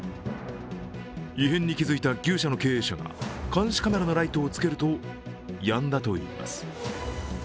異変に気付いた牛舎の経営者が監視カメラのライトをつけるとやんだといいます。